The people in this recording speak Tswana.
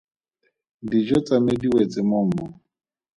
Dijo tsa me di wetse mo mmung.